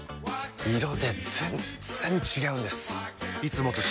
色で全然違うんです！